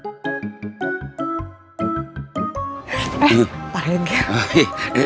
nomor udah ga dapet